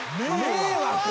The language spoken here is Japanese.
迷惑？